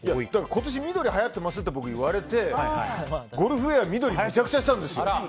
今年、緑がはやってますって言われてゴルフウェア、緑にめちゃくちゃしたんですよ。